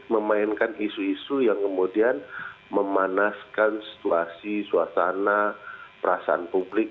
memainkan isu isu yang kemudian memanaskan situasi suasana perasaan publik